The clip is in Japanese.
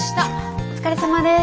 お疲れさまです。